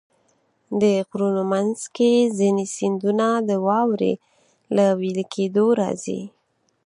د غرونو منځ کې ځینې سیندونه د واورې له وېلې کېدو راځي.